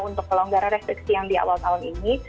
untuk pelonggaran restriksi yang di awal tahun ini